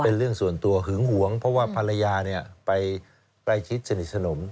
มเป็นเรื่องส่วนตัวหื้องห่วงเพราะว่าฮไปใกล้คิดสนิทสนม